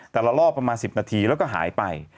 แต่ละรอบประมาณ๑๐นาทีแล้วก็หายไป